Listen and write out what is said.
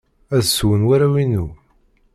Ad swen warraw-inu.